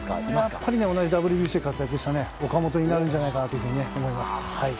やっぱり同じＷＢＣで活躍した岡本になるんじゃないかと思います。